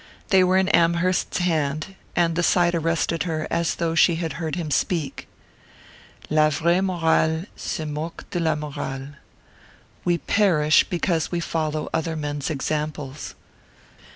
They were in Amherst's hand, and the sight arrested her as though she had heard him speak. La vraie morale se moque de la morale.... _We perish because we follow other men's examples....